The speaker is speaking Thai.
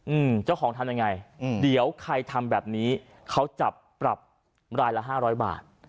อืมเจ้าของทำยังไงอืมเดี๋ยวใครทำแบบนี้เขาจับปรับรายละห้าร้อยบาท